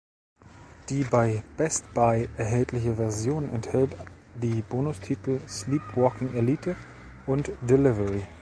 Die bei Best Buy erhältliche Version enthält die Bonustitel "Sleep Walking Elite" und "Delivery".